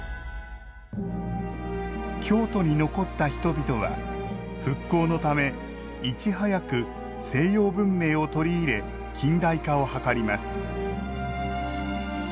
京都に残った人々は復興のためいち早く西洋文明を取り入れ近代化を図ります